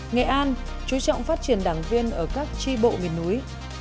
nghệ an chú trọng phát triển đảng viên ở các tri bộ miền núi